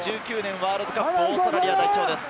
ワールドカップ、オーストラリア代表です。